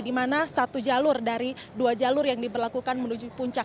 di mana satu jalur dari dua jalur yang diberlakukan menuju puncak